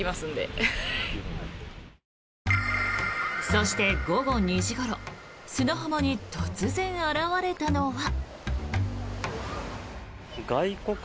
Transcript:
そして、午後２時ごろ砂浜に突然現れたのは。